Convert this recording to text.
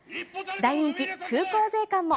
大人気、空港税関も。